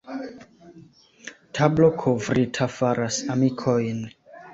Tablo kovrita faras amikojn.